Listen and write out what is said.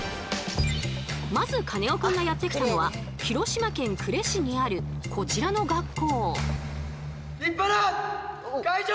まずカネオくんがやって来たのは広島県呉市にあるこちらの学校。